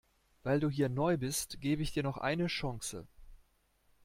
Weil du hier neu bist, gebe ich dir noch eine Chance.